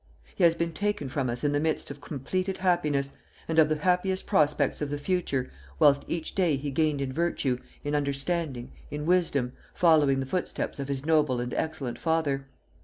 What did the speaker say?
He has been taken from us in the midst of completed happiness, and of the happiest prospects of the future, whilst each day he gained in virtue, in understanding, in wisdom, following the footsteps of his noble and excellent father.